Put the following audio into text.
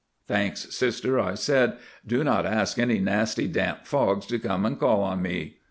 ('Thanks, Sister,' I said, 'do not ask any nasty damp fogs to come and call on me.